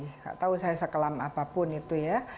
tidak tahu saya sekelam apapun itu ya